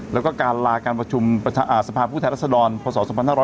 แล้วก็การลาการประชุมสภาพผู้แทนรัศดรพศ๒๕๖๐